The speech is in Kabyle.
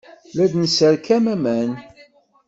La d-nesserkam aman.